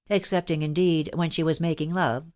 excepting^ indeed* west she was making love ....